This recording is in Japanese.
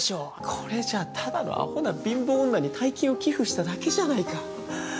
これじゃあただの貧乏女に大金を寄付しただけじゃないか。